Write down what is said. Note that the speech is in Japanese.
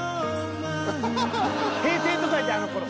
平成と書いてあのころ。